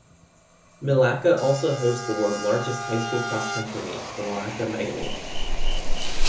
Milaca also hosts the world's largest high school cross-country meet, The Milaca Mega-Meet.